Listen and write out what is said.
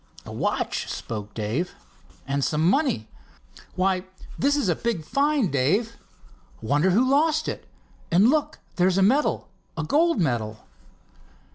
"A watch," spoke Dave. "And some money. Why, this is a big find, Dave! Wonder who lost it? And look, there's a medal—a gold medal."